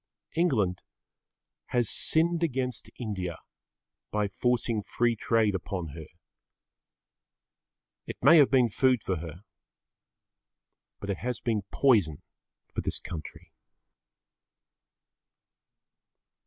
England has sinned against India by forcing free trade upon her. It may have been food for her, but it has been poison for this country.